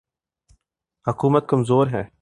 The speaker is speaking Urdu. حکومت کمزور ہے۔